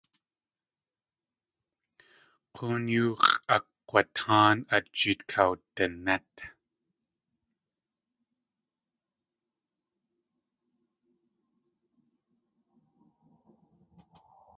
K̲oon yóo x̲ʼakg̲watáan a jeet kawdinét.